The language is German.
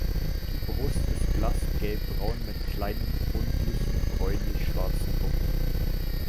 Die Brust ist blass gelbbraun mit kleinen rundlichen bräunlich schwarzen Punkten.